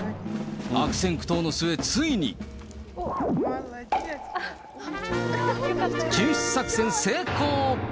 悪戦苦闘の末、ついに。救出作戦成功。